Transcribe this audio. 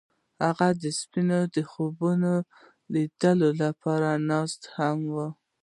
هغوی د سپین خوبونو د لیدلو لپاره ناست هم وو.